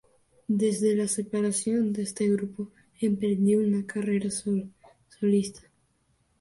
Desde la separación de este grupo, emprendió una carrera solista.